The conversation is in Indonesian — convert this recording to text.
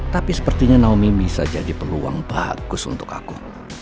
tapi sepertinya naomi bisa jadi peluang bagus untuk aku